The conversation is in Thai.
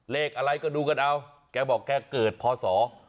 เลขอะไรก็ดูกันเอาแกบอกแกเกิดพอสอ